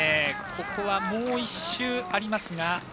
ここはもう１周ありますが。